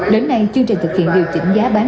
đến nay chương trình thực hiện điều chỉnh giá bán